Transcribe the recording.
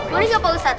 boleh gak pak ustadz